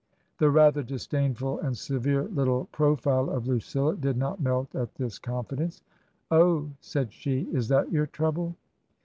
The rather disdainful and severe little profile of Lucilla did not melt at this confidence. " Oh," said she, " is that your trouble